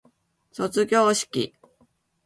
卒業式